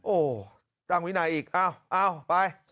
โอ้โหตั้งวินัยอีกอ้าวไป